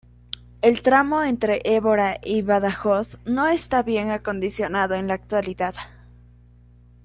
El tramo entre Évora y Badajoz no está bien acondicionado en la actualidad.